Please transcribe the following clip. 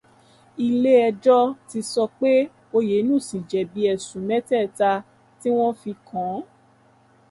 Ilé ẹjọ́ ti sọ pé Oyènúsì jẹ̀bi ẹ̀sùn mẹ́tẹ̀ẹ̀ta tí wọ́n fi kàn-án